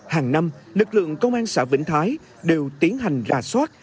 hàng năm lực lượng công an xã vĩnh thái đều tiến hành rà soát